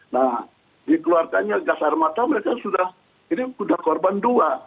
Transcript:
nah dikeluarkannya gas armata mereka sudah ini sudah korban dua